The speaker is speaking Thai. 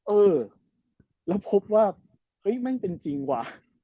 เออแล้วพบว่าเฮ้ยแม่งเป็นจริงว่ะ